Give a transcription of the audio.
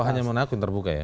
oh hanya monaco yang terbuka ya